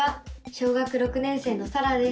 小学６年生のさらです。